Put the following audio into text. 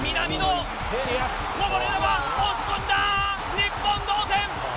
日本、同点！